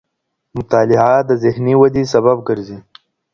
مطالعه د ذهني ودې سبب ګرځي.